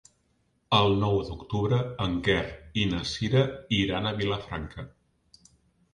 El nou d'octubre en Quer i na Sira iran a Vilafranca.